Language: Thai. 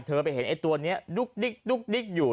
เธอไปเห็นตัวนี้ดุกดิกดุกดิกอยู่